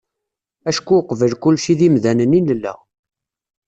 Acku uqbel kulci d imdanen i nella.